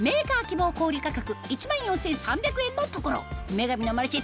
『女神のマルシェ』